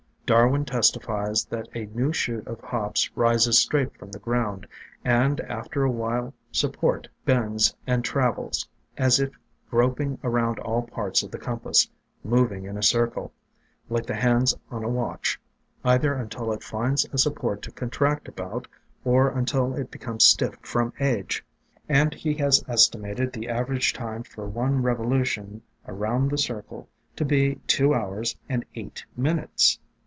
Darwin testifies that a new shoot of Hops rises straight from the ground, and after a while THE DRAPERY OF VINES support, bends and travels as if grop ing around all parts of the compass, moving in a circle, like the hands on a watch, either until it finds a support to contract about, or until it becomes stiff from age; and he has estimated the aver age time for one revolu tion around the circle to be two hours and eight minutes.